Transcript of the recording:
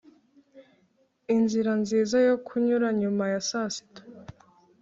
Inzira nziza yo kunyura nyuma ya saa sita